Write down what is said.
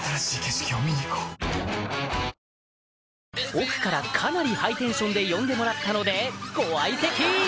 奥からかなりハイテンションで呼んでもらったのでご相席！